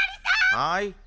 はい。